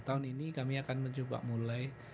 tahun ini kami akan mencoba mulai